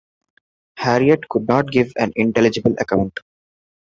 Harriet could not give an intelligible account.